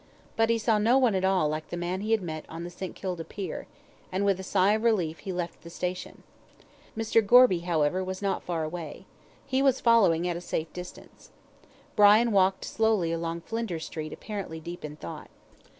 But he saw no one at all like the man he had met on the St. Kilda pier, and with a sigh of relief he left the station. Mr. Gorby, however, was not far away. He was following at a safe distance. Brian walked slowly along Flinders Street apparently deep in thought.